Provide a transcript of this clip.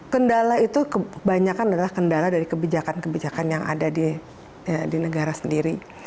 kendala itu kebanyakan adalah kendala dari kebijakan kebijakan yang ada di negara sendiri